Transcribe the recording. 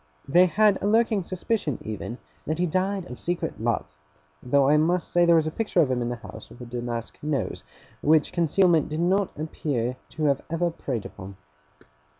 They had a lurking suspicion even, that he died of secret love; though I must say there was a picture of him in the house with a damask nose, which concealment did not appear to have ever preyed upon.